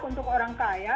untuk orang kaya